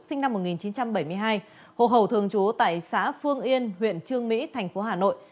sinh năm một nghìn chín trăm bảy mươi hai hộ khẩu thường trú tại xã phương yên huyện trương mỹ thành phố hà nội